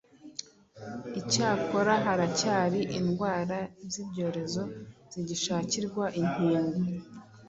Icyakora haracyari indwara z’ibyorezo zigishakirwa inkingo.